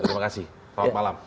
terima kasih selamat malam